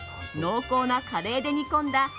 濃厚なカレーで煮込んだ